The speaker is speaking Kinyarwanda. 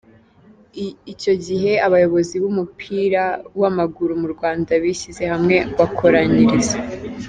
Icyo gihe abayobozi b’umupira w’amaguru mu Rwanda bishyize hamwe bakoranyiriza